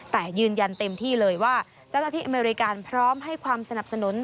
แต่ยืนยันเต็มที่เลยว่าเจ้าหน้าที่อเมริกาพร้อมให้ความสนับสนุน